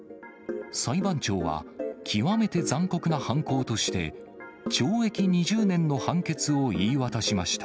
裁判長は極めて残酷な犯行として、懲役２０年の判決を言い渡しました。